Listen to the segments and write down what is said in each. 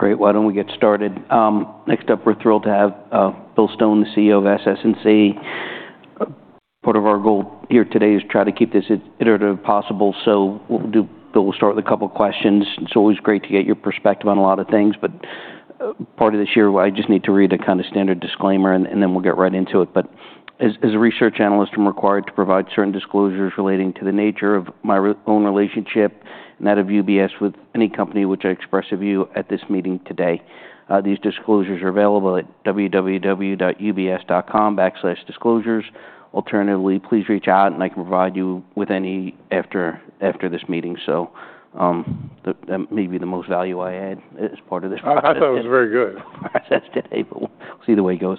Great. Why don't we get started? Next up, we're thrilled to have Bill Stone, the CEO of SS&C. Part of our goal here today is to try to keep this as iterative as possible, so we'll start with a couple of questions. It's always great to get your perspective on a lot of things, but part of this year, I just need to read a kind of standard disclaimer, and then we'll get right into it. But as a research analyst, I'm required to provide certain disclosures relating to the nature of my own relationship and that of UBS with any company which I express a view at this meeting today. These disclosures are available at www.ubs.com/disclosures. Alternatively, please reach out, and I can provide you with any after this meeting. So that may be the most value I add as part of this conversation. I thought it was very good. Success today, but we'll see the way it goes.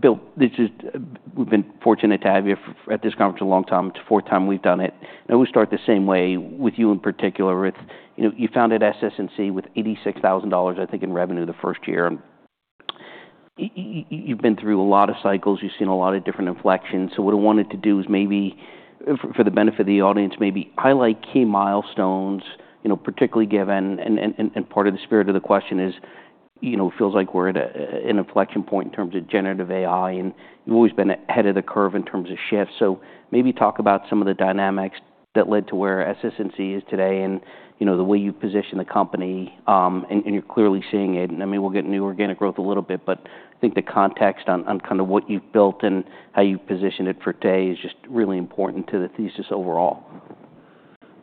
Bill, we've been fortunate to have you at this conference a long time. It's the fourth time we've done it and we start the same way with you in particular. You founded SS&C with $86,000, I think, in revenue the first year. You've been through a lot of cycles. You've seen a lot of different inflections, so what I wanted to do is maybe, for the benefit of the audience, maybe highlight key milestones, particularly given, and part of the spirit of the question is, it feels like we're at an inflection point in terms of generative AI, and you've always been ahead of the curve in terms of shifts, so maybe talk about some of the dynamics that led to where SS&C is today and the way you position the company, and you're clearly seeing it. And I mean, we'll get new organic growth a little bit, but I think the context on kind of what you've built and how you've positioned it for today is just really important to the thesis overall.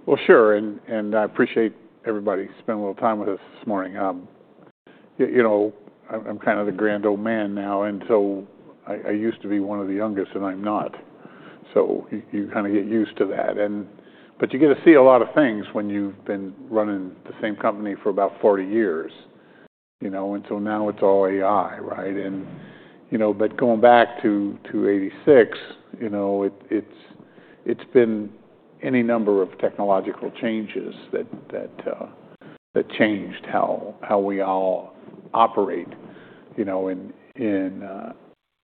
Well, sure. And I appreciate everybody spending a little time with us this morning. I'm kind of the grand old man now, and so I used to be one of the youngest, and I'm not. So you kind of get used to that. But you get to see a lot of things when you've been running the same company for about 40 years. And so now it's all AI, right? But going back to 1986, it's been any number of technological changes that changed how we all operate. In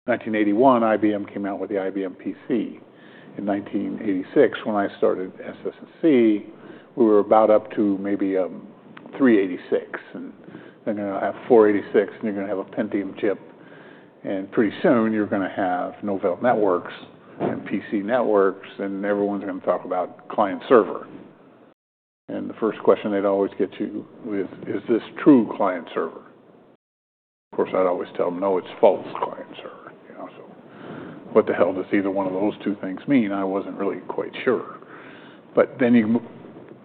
1981, IBM came out with the IBM PC. In 1986, when I started SS&C, we were about up to maybe a 386. And then you're going to have 486, and you're going to have a Pentium chip. And pretty soon, you're going to have Novell Networks and PC Networks, and everyone's going to talk about client-server. And the first question they'd always get you is, "Is this true client-server?" Of course, I'd always tell them, "No, it's false client-server." So what the hell does either one of those two things mean? I wasn't really quite sure. But then you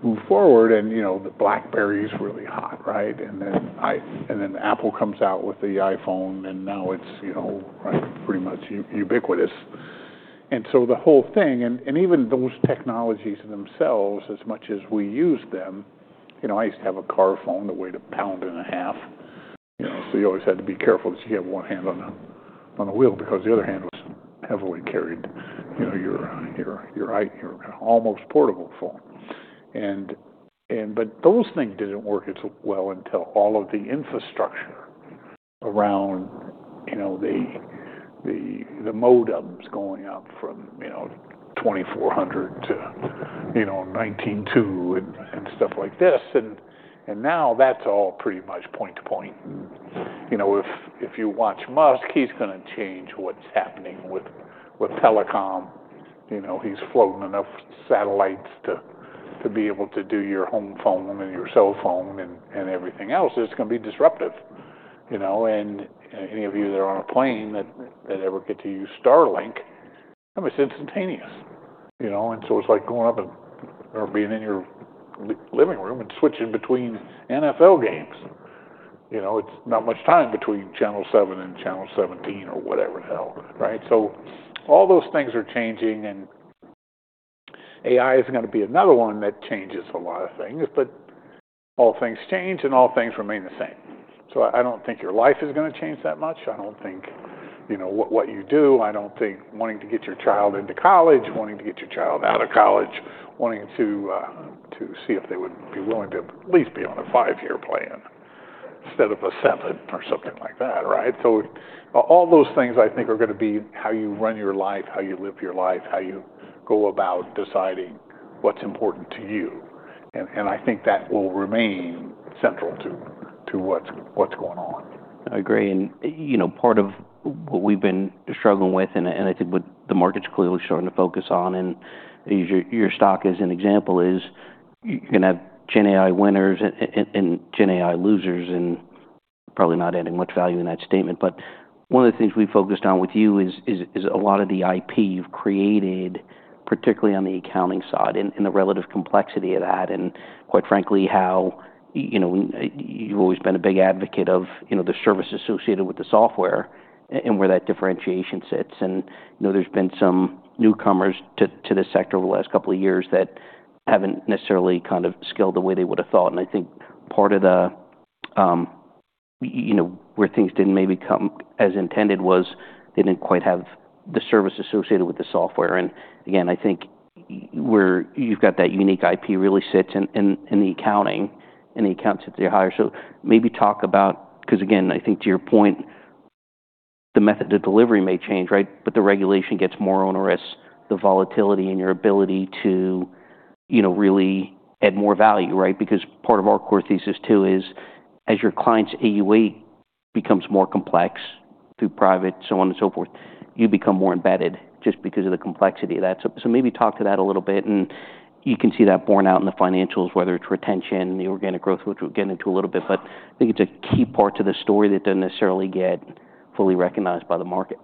move forward, and the BlackBerry is really hot, right? And then Apple comes out with the iPhone, and now it's pretty much ubiquitous. And so the whole thing, and even those technologies themselves, as much as we use them, I used to have a car phone that weighed a pound and a half. So you always had to be careful that you have one hand on the wheel because the other hand was heavily carrying your almost portable phone. But those things didn't work as well until all of the infrastructure around the modems going up from 2400 to 9600 and stuff like this. Now that's all pretty much point to point. If you watch Musk, he's going to change what's happening with telecom. He's floating enough satellites to be able to do your home phone and your cell phone and everything else. It's going to be disruptive. Any of you that are on a plane that ever get to use Starlink, it's instantaneous. So it's like going up and being in your living room and switching between NFL games. It's not much time between Channel 7 and Channel 17 or whatever the hell, right? All those things are changing, and AI is going to be another one that changes a lot of things, but all things change and all things remain the same. I don't think your life is going to change that much. I don't think what you do, I don't think wanting to get your child into college, wanting to get your child out of college, wanting to see if they would be willing to at least be on a five-year plan instead of a seven or something like that, right? So all those things, I think, are going to be how you run your life, how you live your life, how you go about deciding what's important to you. And I think that will remain central to what's going on. I agree, and part of what we've been struggling with, and I think what the market's clearly starting to focus on, and your stock as an example, is you're going to have GenAI winners and GenAI losers, and probably not adding much value in that statement, but one of the things we focused on with you is a lot of the IP you've created, particularly on the accounting side and the relative complexity of that, and quite frankly, how you've always been a big advocate of the service associated with the software and where that differentiation sits, and there's been some newcomers to this sector over the last couple of years that haven't necessarily kind of scaled the way they would have thought, and I think part of the where things didn't maybe come as intended was they didn't quite have the service associated with the software. Again, I think where you've got that unique IP really sits in the accounting, and the account sits there higher. So maybe talk about, because again, I think to your point, the method of delivery may change, right? But the regulation gets more onerous, the volatility, and your ability to really add more value, right? Because part of our core thesis too is as your client's AUA becomes more complex through private, so on and so forth, you become more embedded just because of the complexity of that. So maybe talk to that a little bit. And you can see that borne out in the financials, whether it's retention, the organic growth, which we'll get into a little bit. But I think it's a key part to the story that doesn't necessarily get fully recognized by the market.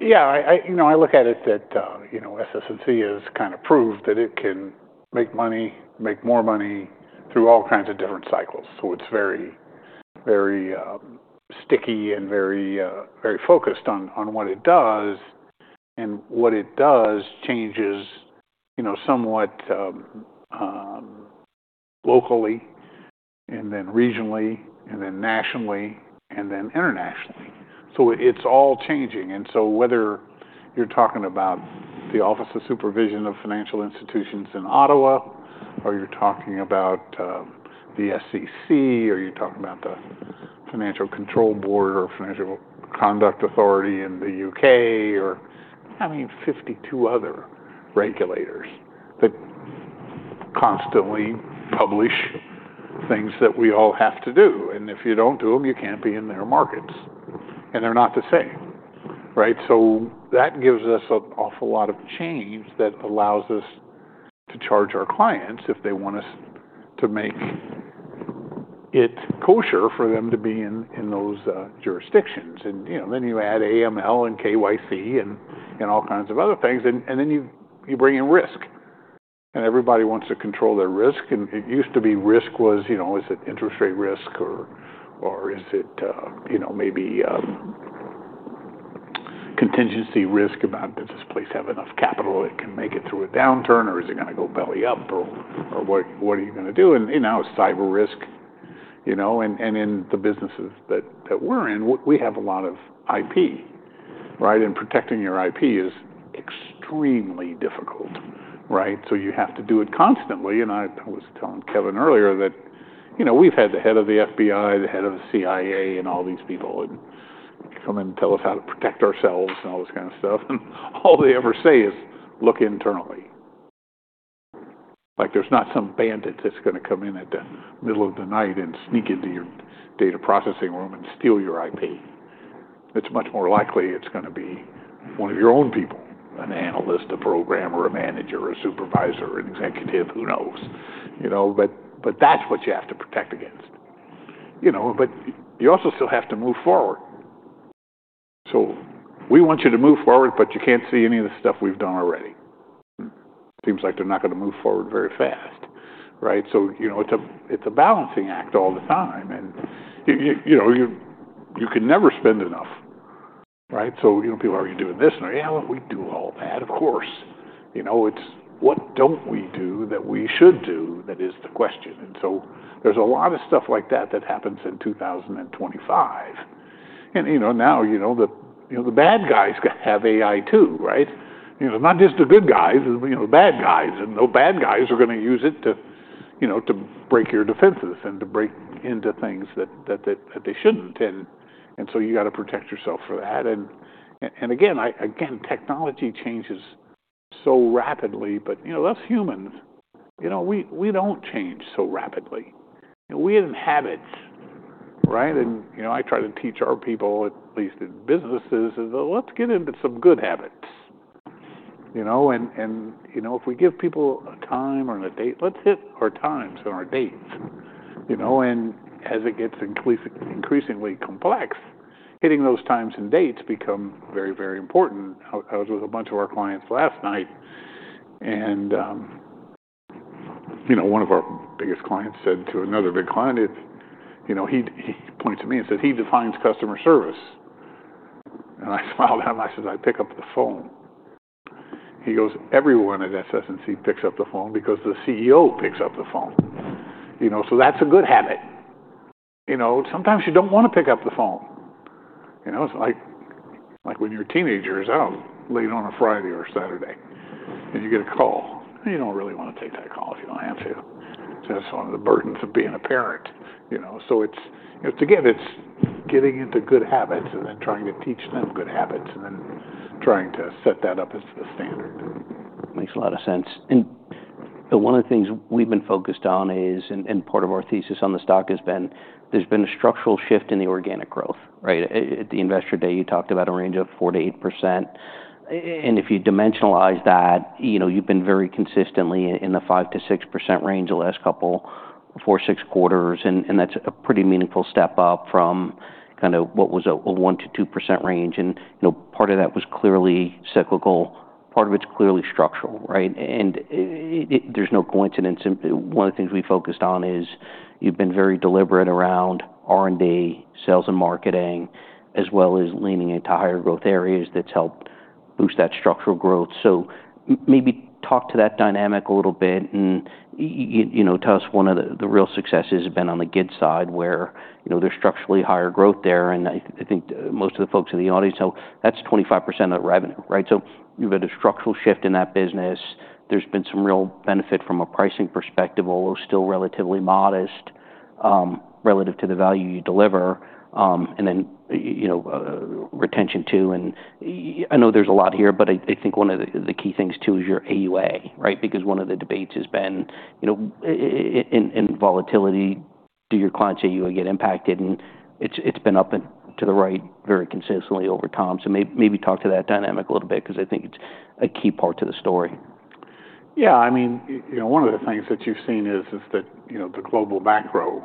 Yeah. I look at it that SS&C has kind of proved that it can make money, make more money through all kinds of different cycles. So it's very sticky and very focused on what it does. And what it does changes somewhat locally, and then regionally, and then nationally, and then internationally. So it's all changing. And so whether you're talking about the Office of the Superintendent of Financial Institutions in Ottawa, or you're talking about the SEC, or you're talking about the Financial Conduct Authority in the U.K., or I mean, 52 other regulators that constantly publish things that we all have to do. And if you don't do them, you can't be in their markets. And they're not the same, right? So that gives us an awful lot of change that allows us to charge our clients if they want us to make it kosher for them to be in those jurisdictions, and then you add AML and KYC and all kinds of other things, and then you bring in risk, and everybody wants to control their risk, and it used to be risk was, is it interest rate risk, or is it maybe contingency risk about does this place have enough capital that can make it through a downturn, or is it going to go belly up, or what are you going to do, and now it's cyber risk, and in the businesses that we're in, we have a lot of IP, right, and protecting your IP is extremely difficult, right, so you have to do it constantly. And I was telling Kevin earlier that we've had the head of the FBI, the head of the CIA, and all these people come in and tell us how to protect ourselves and all this kind of stuff. And all they ever say is, "Look internally." There's not some bandit that's going to come in at the middle of the night and sneak into your data processing room and steal your IP. It's much more likely it's going to be one of your own people, an analyst, a programmer, a manager, a supervisor, an executive, who knows? But that's what you have to protect against. But you also still have to move forward. So we want you to move forward, but you can't see any of the stuff we've done already. And it seems like they're not going to move forward very fast, right? So it's a balancing act all the time. And you can never spend enough, right? So people are, "Are you doing this?" And, "Yeah, we do all that, of course." It's, "What don't we do that we should do?" That is the question. And so there's a lot of stuff like that that happens in 2025. And now the bad guys have AI too, right? Not just the good guys, the bad guys. And the bad guys are going to use it to break your defenses and to break into things that they shouldn't. And so you got to protect yourself for that. And again, technology changes so rapidly, but us humans, we don't change so rapidly. We inhabit, right? And I try to teach our people, at least in businesses, is, "Let's get into some good habits." And if we give people a time or a date, let's hit our times and our dates. And as it gets increasingly complex, hitting those times and dates becomes very, very important. I was with a bunch of our clients last night. And one of our biggest clients said to another big client, he points to me and says, "He defines customer service." And I smiled at him. I said, "I pick up the phone." He goes, "Everyone at SS&C picks up the phone because the CEO picks up the phone." So that's a good habit. Sometimes you don't want to pick up the phone. It's like when you're teenagers, I don't know, late on a Friday or Saturday, and you get a call. You don't really want to take that call if you don't have to. It's just one of the burdens of being a parent. So it's, again, it's getting into good habits and then trying to teach them good habits and then trying to set that up as the standard. Makes a lot of sense. And one of the things we've been focused on is, and part of our thesis on the stock has been, there's been a structural shift in the organic growth, right? At the investor day, you talked about a range of 4-8%. And if you dimensionalize that, you've been very consistently in the 5-6% range the last couple four, six quarters. And that's a pretty meaningful step up from kind of what was a 1-2% range. And part of that was clearly cyclical. Part of it's clearly structural, right? And there's no coincidence. One of the things we focused on is you've been very deliberate around R&D, sales, and marketing, as well as leaning into higher growth areas that's helped boost that structural growth. So, maybe talk to that dynamic a little bit and tell us one of the real successes has been on the good side where there's structurally higher growth there. I think most of the folks in the audience know that's 25% of the revenue, right? You've had a structural shift in that business. There's been some real benefit from a pricing perspective, although still relatively modest relative to the value you deliver. And then retention too. I know there's a lot here, but I think one of the key things too is your AUA, right? Because one of the debates has been in volatility, do your clients' AUA get impacted? It's been up and to the right very consistently over time. Maybe talk to that dynamic a little bit because I think it's a key part to the story. Yeah. I mean, one of the things that you've seen is that the global macro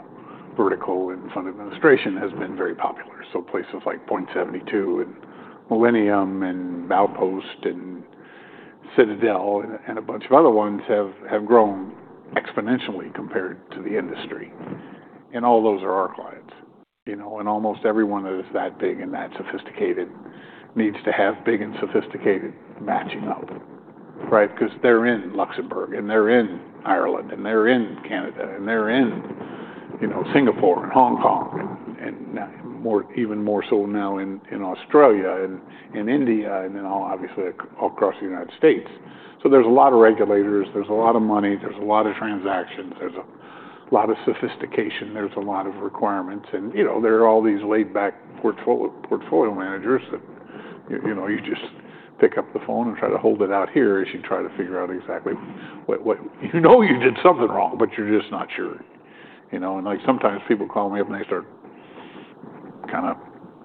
vertical in fund administration has been very popular. Places like Point72 and Millennium and ExodusPoint and Citadel and a bunch of other ones have grown exponentially compared to the industry, and all those are our clients. Almost everyone that is that big and that sophisticated needs to have big and sophisticated matching up, right? Because they're in Luxembourg, and they're in Ireland, and they're in Canada, and they're in Singapore and Hong Kong, and even more so now in Australia and India, and then obviously across the United States, so there's a lot of regulators. There's a lot of money. There's a lot of transactions. There's a lot of sophistication. There's a lot of requirements. And there are all these laid-back portfolio managers that you just pick up the phone and try to hold it out here as you try to figure out exactly what you know you did something wrong, but you're just not sure. And sometimes people call me up and they start kind of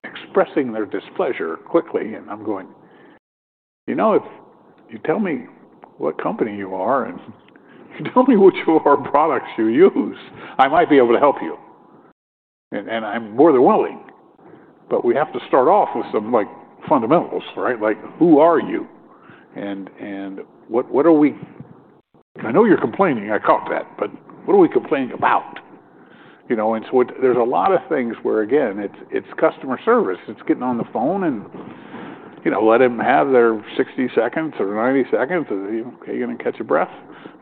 expressing their displeasure quickly. And I'm going, "You tell me what company you are, and you tell me which of our products you use. I might be able to help you." And I'm more than willing. But we have to start off with some fundamentals, right? Like, "Who are you? And what are we," I know you're complaining. I caught that. But what are we complaining about? And so there's a lot of things where, again, it's customer service. It's getting on the phone and let them have their 60 seconds or 90 seconds. Are you going to catch your breath?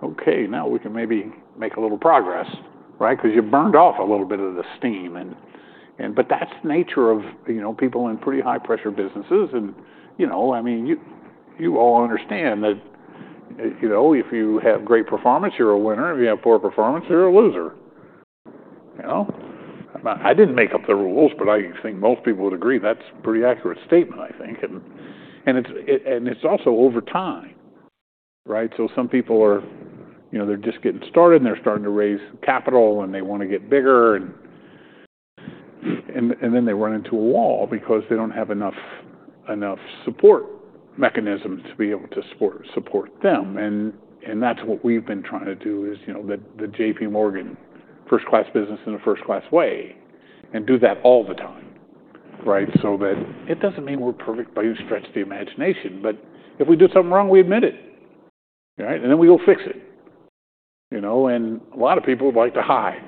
Okay. Now we can maybe make a little progress, right? Because you burned off a little bit of the steam, but that's the nature of people in pretty high-pressure businesses, and I mean, you all understand that if you have great performance, you're a winner. If you have poor performance, you're a loser. I didn't make up the rules, but I think most people would agree that's a pretty accurate statement, I think, and it's also over time, right, so some people are, they're just getting started, and they're starting to raise capital, and they want to get bigger, and then they run into a wall because they don't have enough support mechanisms to be able to support them, and that's what we've been trying to do, is the JPMorgan first-class business in a first-class way and do that all the time, right? So that it doesn't mean we're perfect by any stretch of the imagination. But if we do something wrong, we admit it, right? And then we go fix it. And a lot of people like to hide.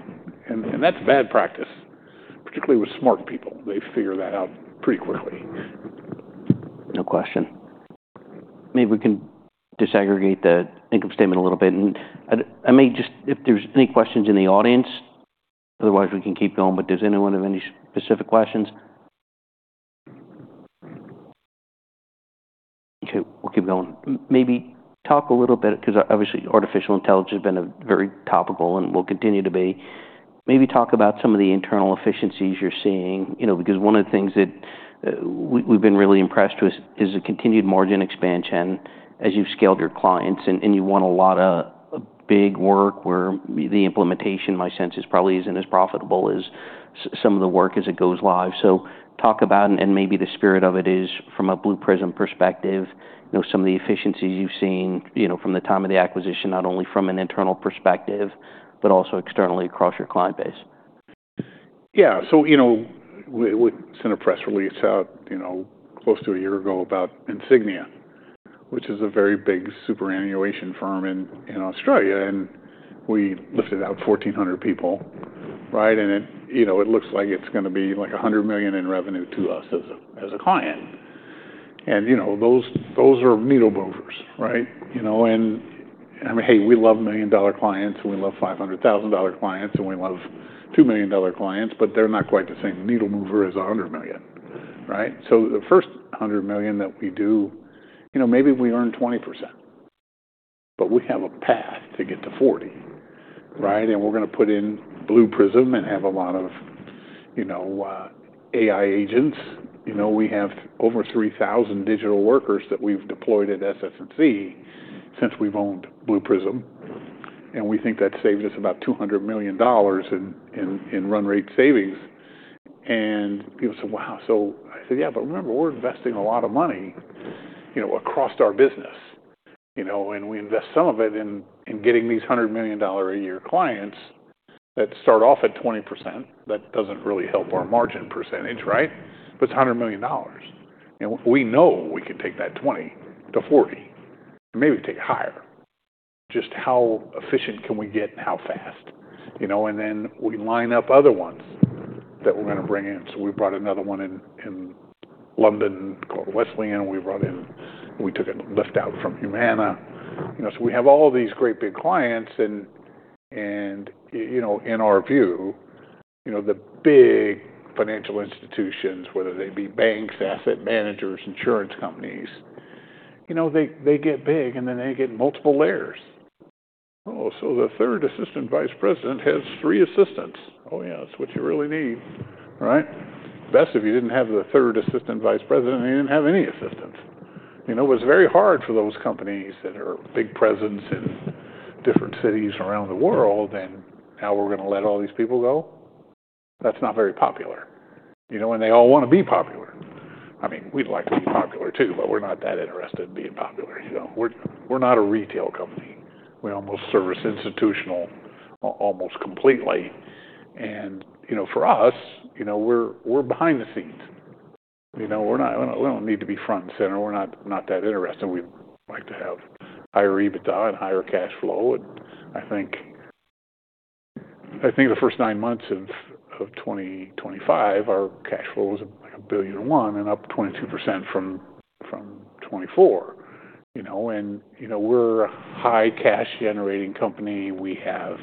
And that's bad practice, particularly with smart people. They figure that out pretty quickly. No question. Maybe we can disaggregate the income statement a little bit, and I may just, if there's any questions in the audience, otherwise we can keep going, but does anyone have any specific questions? Okay. We'll keep going. Maybe talk a little bit because obviously artificial intelligence has been very topical and will continue to be. Maybe talk about some of the internal efficiencies you're seeing. Because one of the things that we've been really impressed with is the continued margin expansion as you've scaled your clients, and you want a lot of big work where the implementation, my sense, probably isn't as profitable as some of the work as it goes live. So talk about, and maybe the spirit of it is from a Blue Prism perspective, some of the efficiencies you've seen from the time of the acquisition, not only from an internal perspective, but also externally across your client base. Yeah. So we sent a press release out close to a year ago about Insignia, which is a very big superannuation firm in Australia. And we listed out 1,400 people, right? And it looks like it's going to be like $100 million in revenue to us as a client. And those are needle movers, right? And I mean, hey, we love million-dollar clients, and we love $500,000 clients, and we love $2 million clients, but they're not quite the same needle mover as $100 million, right? So the first $100 million that we do, maybe we earn 20%. But we have a path to get to 40%, right? And we're going to put in Blue Prism and have a lot of AI agents. We have over 3,000 digital workers that we've deployed at SS&C since we've owned Blue Prism. We think that saved us about $200 million in run rate savings. People said, "Wow." I said, "Yeah, but remember, we're investing a lot of money across our business. We invest some of it in getting these $100 million a year clients that start off at 20%. That doesn't really help our margin percentage, right? It's $100 million. We know we can take that 20%-40%. Maybe we take it higher. Just how efficient can we get and how fast?" Then we line up other ones that we're going to bring in. We brought another one in London called Wesleyan. We took a lift out from Humana. We have all these great big clients. In our view, the big financial institutions, whether they be banks, asset managers, insurance companies, they get big, and then they get multiple layers. Oh, so the third assistant vice president has three assistants. Oh yeah, that's what you really need, right? Best if you didn't have the third assistant vice president, and you didn't have any assistants. It was very hard for those companies that are big presence in different cities around the world. Now we're going to let all these people go. That's not very popular. They all want to be popular. I mean, we'd like to be popular too, but we're not that interested in being popular. We're not a retail company. We almost service institutional almost completely. For us, we're behind the scenes. We don't need to be front and center. We're not that interested. We'd like to have higher EBITDA and higher cash flow. I think the first nine months of 2025, our cash flow was like $1.01 billion and up 22% from 2024. We're a high cash-generating company. We have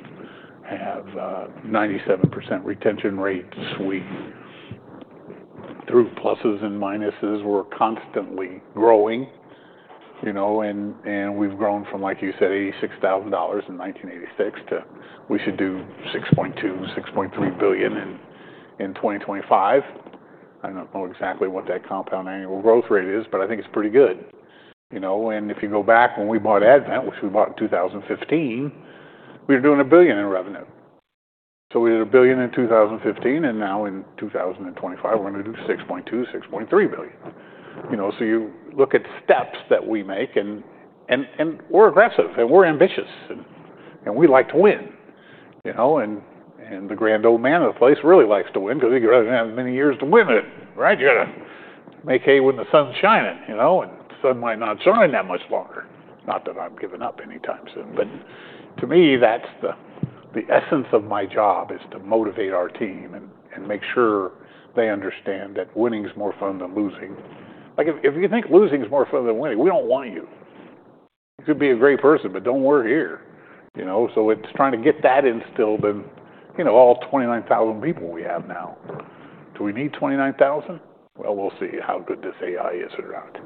97% retention rates. Through pluses and minuses, we're constantly growing. We've grown from, like you said, $86,000 in 1986 to we should do $6.2-$6.3 billion in 2025. I don't know exactly what that compound annual growth rate is, but I think it's pretty good. If you go back when we bought Advent, which we bought in 2015, we were doing $1 billion in revenue. We did $1 billion in 2015, and now in 2025, we're going to do $6.2-$6.3 billion. You look at steps that we make, and we're aggressive, and we're ambitious, and we like to win. The grand old man of the place really likes to win because he'd rather have many years to win it, right? You got to make hay when the sun's shining. The sun might not shine that much longer. Not that I've given up anytime soon. To me, that's the essence of my job, is to motivate our team and make sure they understand that winning is more fun than losing. If you think losing is more fun than winning, we don't want you. You could be a great person, but don't work here. It's trying to get that instilled in all 29,000 people we have now. Do we need 29,000? We'll see how good this AI is or not.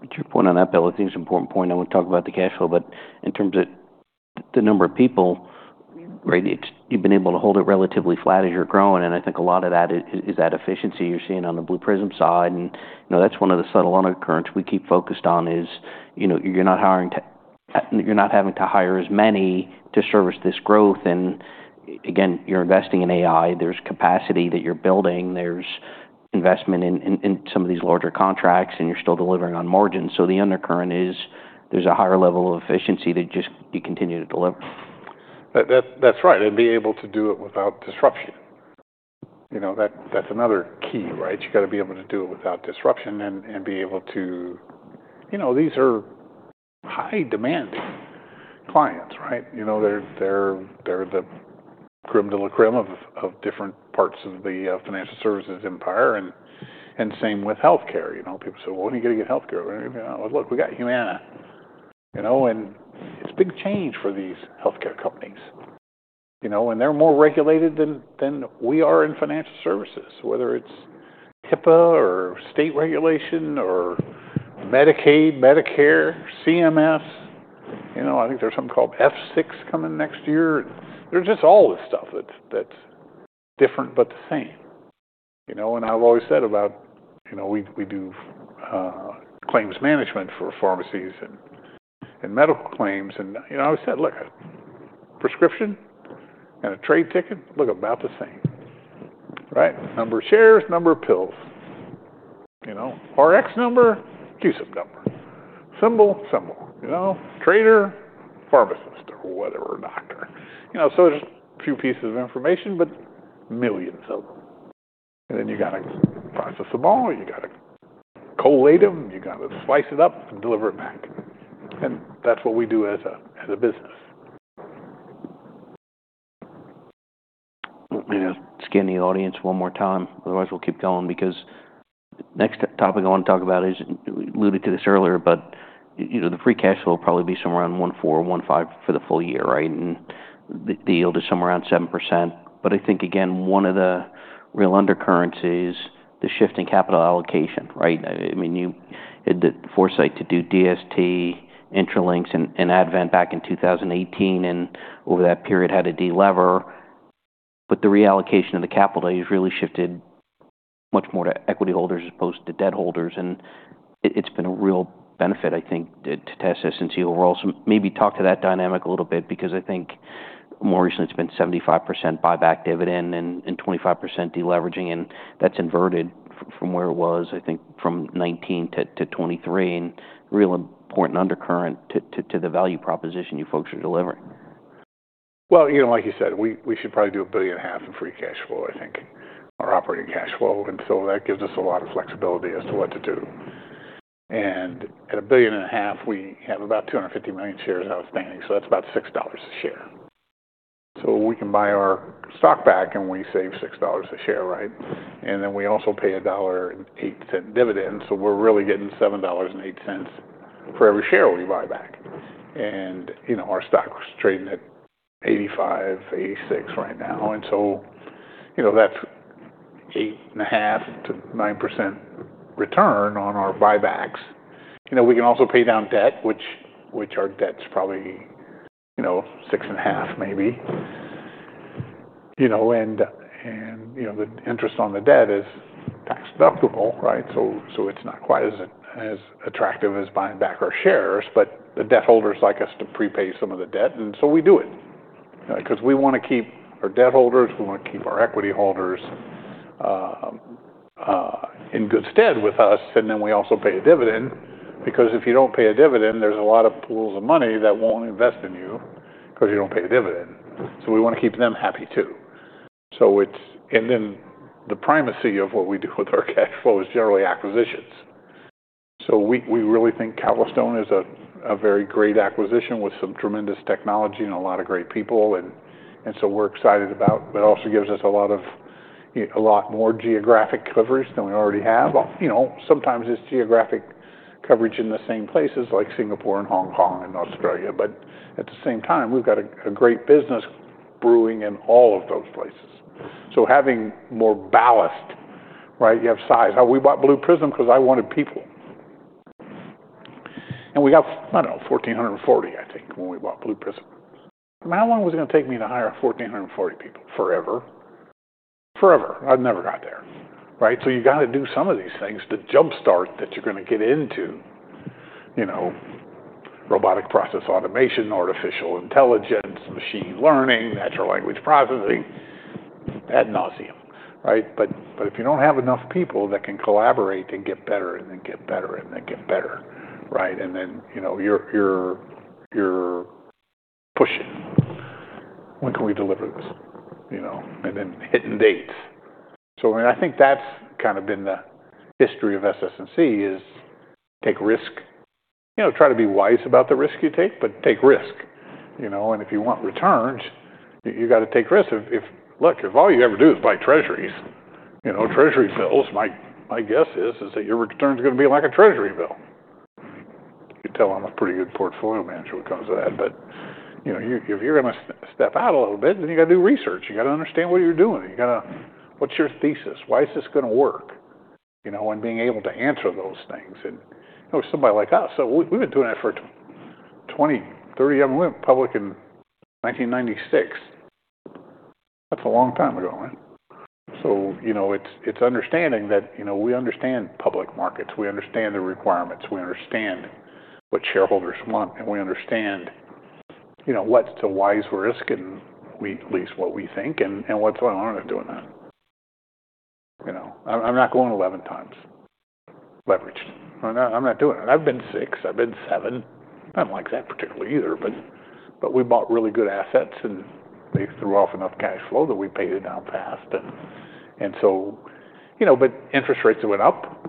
But your point on that, Bill, I think is an important point. I want to talk about the cash flow. But in terms of the number of people, right, you've been able to hold it relatively flat as you're growing. And I think a lot of that is that efficiency you're seeing on the Blue Prism side. And that's one of the subtle undercurrents we keep focused on, is you're not having to hire as many to service this growth. And again, you're investing in AI. There's capacity that you're building. There's investment in some of these larger contracts, and you're still delivering on margin. So the undercurrent is there's a higher level of efficiency that just you continue to deliver. That's right, and be able to do it without disruption. That's another key, right? You got to be able to do it without disruption and be able to, these are high-demand clients, right? They're the crème de la crème of different parts of the financial services empire, and same with healthcare. People say, "Well, when are you going to get healthcare?" Look, we got Humana. And it's a big change for these healthcare companies, and they're more regulated than we are in financial services, whether it's HIPAA or state regulation or Medicaid, Medicare, CMS. I think there's something called F6 coming next year. There's just all this stuff that's different but the same, and I've always said about we do claims management for pharmacies and medical claims. And I always said, "Look, a prescription and a trade ticket, look about the same, right? Number of shares, number of pills. Rx number, CUSIP number. Symbol, symbol. Trader, pharmacist, or whatever, doctor," so there's a few pieces of information, but millions of them, and then you got to process them all. You got to collate them. You got to slice it up and deliver it back, and that's what we do as a business. Let me just skim the audience one more time. Otherwise, we'll keep going. Because the next topic I want to talk about is, we alluded to this earlier, but the free cash flow will probably be somewhere around 1.4-1.5 for the full year, right? And the yield is somewhere around 7%. But I think, again, one of the real undercurrents is the shift in capital allocation, right? I mean, you had the foresight to do DST, Intralinks, and Advent back in 2018. And over that period, had to delever. But the reallocation of the capital has really shifted much more to equity holders as opposed to debt holders. And it's been a real benefit, I think, to SS&C overall. So maybe talk to that dynamic a little bit. Because I think more recently, it's been 75% buyback dividend and 25% deleveraging. That's inverted from where it was, I think, from 2019 to 2023. Real important undercurrent to the value proposition you folks are delivering. Well, like you said, we should probably do $1.5 billion in free cash flow, I think, our operating cash flow. And so that gives us a lot of flexibility as to what to do. And at $1.5 billion, we have about 250 million shares outstanding. So that's about $6 a share. So we can buy our stock back, and we save $6 a share, right? And then we also pay $1.08 dividend. So we're really getting $7.08 for every share we buy back. And our stock's trading at $85-$86 right now. And so that's 8.5%-9% return on our buybacks. We can also pay down debt, which our debt's probably 6.5%, maybe. And the interest on the debt is tax-deductible, right? So it's not quite as attractive as buying back our shares. But the debt holders like us to prepay some of the debt. And so we do it. Because we want to keep our debt holders. We want to keep our equity holders in good stead with us. And then we also pay a dividend. Because if you don't pay a dividend, there's a lot of pools of money that won't invest in you because you don't pay a dividend. So we want to keep them happy too. And then the primacy of what we do with our cash flow is generally acquisitions. So we really think Calastone is a very great acquisition with some tremendous technology and a lot of great people. And so we're excited about what also gives us a lot more geographic coverage than we already have. Sometimes it's geographic coverage in the same places like Singapore and Hong Kong and Australia. But at the same time, we've got a great business brewing in all of those places. So having more ballast, right? You have size. We bought Blue Prism because I wanted people. And we got, I don't know, 1,440, I think, when we bought Blue Prism. How long was it going to take me to hire 1,440 people? Forever. Forever. I never got there, right? So you got to do some of these things, the jumpstart that you're going to get into: robotic process automation, artificial intelligence, machine learning, natural language processing, ad nauseam, right? But if you don't have enough people that can collaborate and get better and then get better and then get better, right? And then you're pushing. When can we deliver this? And then hitting dates. So I think that's kind of been the history of SS&C, is take risk. Try to be wise about the risk you take, but take risk. And if you want returns, you got to take risk. Look, if all you ever do is buy treasuries, treasury bills, my guess is that your return's going to be like a treasury bill. It tells you you're a pretty good portfolio manager when it comes to that. But if you're going to step out a little bit, then you got to do research. You got to understand what you're doing. What's your thesis? Why is this going to work? And being able to answer those things. And somebody like us, we've been doing it for 20, 30 years, went public in 1996. That's a long time ago, right? So it's understanding that we understand public markets. We understand the requirements. We understand what shareholders want. And we understand what's the wise risk, and we at least what we think and what's going on with doing that. I'm not going 11 times leveraged. I'm not doing it. I've been six. I've been seven. I don't like that particularly either. But we bought really good assets, and they threw off enough cash flow that we paid it down fast. And so but interest rates went up,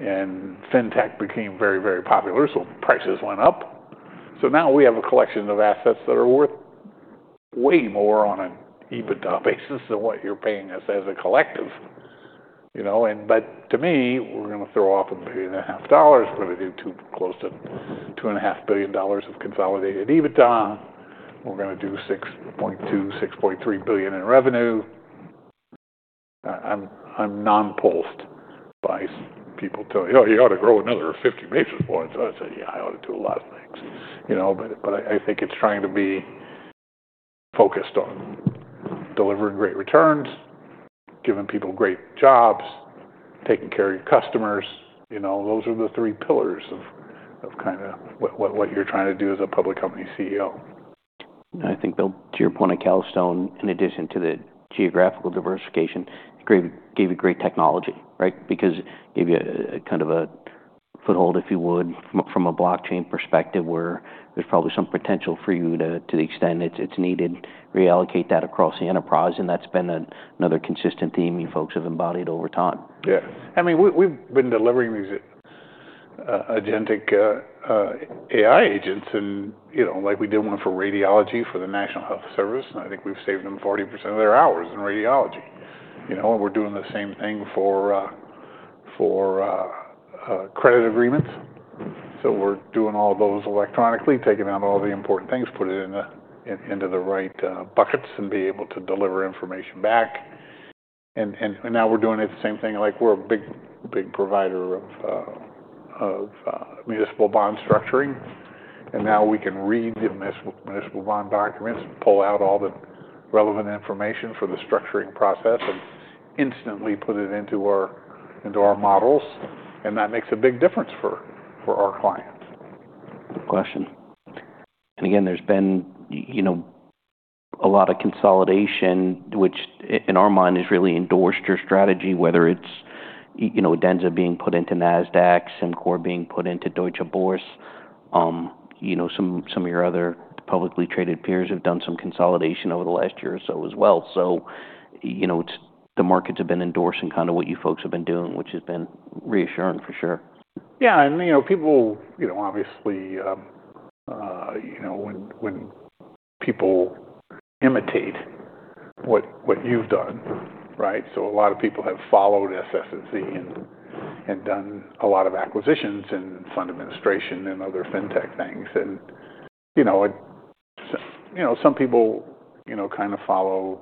and fintech became very, very popular. So prices went up. So now we have a collection of assets that are worth way more on an EBITDA basis than what you're paying us as a collective. But to me, we're going to throw off $1.5 billion. We're going to do $2 billion close to $2.5 billion of consolidated EBITDA. We're going to do $6.2-$6.3 billion in revenue. I'm nonplussed by people telling me, "Oh, you ought to grow another 50 basis points." I say, "Yeah, I ought to do a lot of things." But I think it's trying to be focused on delivering great returns, giving people great jobs, taking care of your customers. Those are the three pillars of kind of what you're trying to do as a public company CEO. I think, Bill, to your point of Calastone, in addition to the geographical diversification, it gave you great technology, right? Because it gave you kind of a foothold, if you would, from a blockchain perspective, where there's probably some potential for you to the extent it's needed, reallocate that across the enterprise. And that's been another consistent theme you folks have embodied over time. Yeah. I mean, we've been delivering these agentic AI agents, like we did one for radiology for the National Health Service. And I think we've saved them 40% of their hours in radiology. And we're doing the same thing for credit agreements. So we're doing all those electronically, taking out all the important things, putting it into the right buckets, and be able to deliver information back. And now we're doing the same thing. We're a big provider of municipal bond structuring. And now we can read the municipal bond documents, pull out all the relevant information for the structuring process, and instantly put it into our models. And that makes a big difference for our clients. And again, there's been a lot of consolidation, which in our mind is really endorsed your strategy, whether it's Adenza being put into Nasdaq, SimCorp being put into Deutsche Börse, some of your other publicly traded peers have done some consolidation over the last year or so as well. So the markets have been endorsing kind of what you folks have been doing, which has been reassuring for sure. Yeah. And people obviously, when people imitate what you've done, right? So a lot of people have followed SS&C and done a lot of acquisitions and fund administration and other fintech things. And some people kind of follow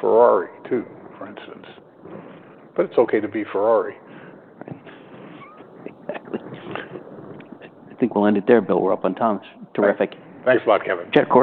Ferrari too, for instance. But it's okay to be Ferrari. Exactly. I think we'll end it there, Bill. We're up on time. Terrific. Thanks a lot, Kevin. You.